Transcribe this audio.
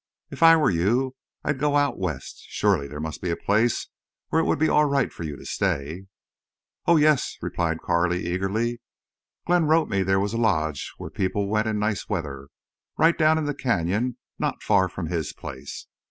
If I were you I'd go out West. Surely there must be a place where it would be all right for you to stay." "Oh, yes," replied Carley, eagerly. "Glenn wrote me there was a lodge where people went in nice weather—right down in the canyon not far from his place.